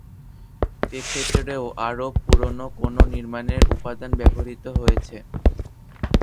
এক্ষেত্রেও আরও পুরনো কোনও নির্মাণের উপাদান ব্যবহৃত হয়েছে।